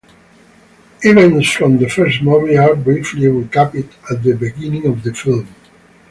Events from the first movie are briefly recapped at the beginning of the film.